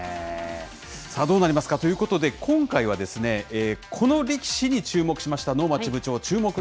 どうなりますかということで、今回はこの力士に注目しました。